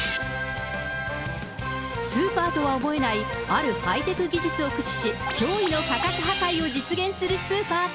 スーパーとは思えない、あるハイテク技術を駆使し、驚異の価格破壊を実現するスーパーと。